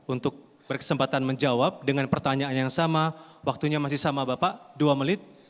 untuk berkesempatan menjawab dengan pertanyaan yang sama waktunya masih sama bapak dua menit